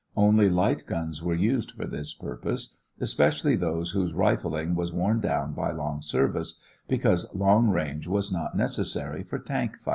Only light guns were used for this purpose, especially those whose rifling was worn down by long service, because long range was not necessary for tank fighting.